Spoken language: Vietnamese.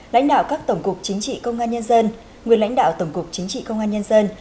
lãnh đạo các tổng cục chính trị công an nhân dân nguyên lãnh đạo tổng cục chính trị công an nhân dân